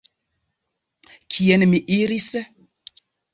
Kien mi iris?